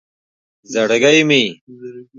زرگی مې